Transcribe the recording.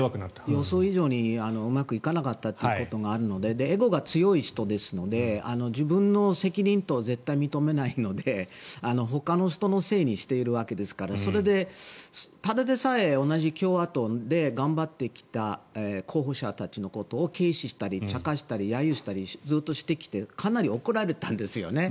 予想以上にうまくいかなかったということがあるのでエゴが強い人ですので自分の責任とは絶対認めないのでほかの人のせいにしているわけですからそれで、ただでさえ同じ共和党で頑張ってきた候補者たちのことを軽視したり茶化したり揶揄したりずっとしてきてかなり怒られたんですよね。